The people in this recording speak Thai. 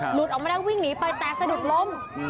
หลุดออกมาได้วิ่งหนีไปแต่สะดุดล้ม